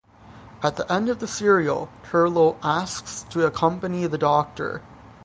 At the end of the serial, Turlough asks to accompany the Doctor.